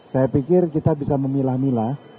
saya pikir kita bisa memilah milah